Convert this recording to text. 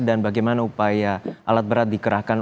bagaimana upaya alat berat dikerahkan